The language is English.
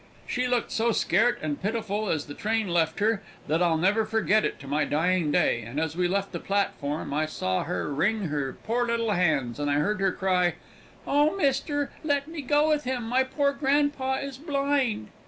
She looked so scart and pitiful, as the train left her, that I'll never forget it to my dying day, and as we left the platform I saw her wring her poor little hands, and I heard her cry, "Oh, mister, let me go with him. My poor grandpa is blind."